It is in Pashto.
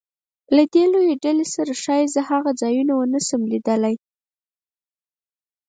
له دې لویې ډلې سره ښایي زه هغه ځایونه ونه شم لیدلی.